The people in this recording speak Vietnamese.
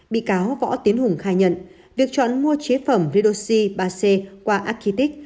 bị cáo võ tiến hùng khai nhận việc chọn mua chế phẩm redoxi ba c qua arkitech